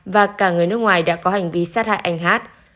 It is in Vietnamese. và cả người nước ngoài đã có hành vi sát hại anh hát